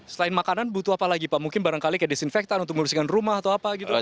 selain makanan butuh apa lagi pak mungkin barangkali kayak desinfektan untuk membersihkan rumah atau apa gitu